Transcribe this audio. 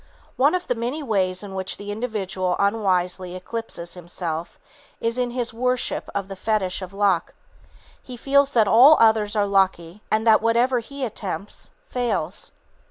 One of the many ways in which the individual unwisely eclipses himself, is in his worship of the fetich of luck. He feels that all others are lucky, and that whatever he attempts, fails.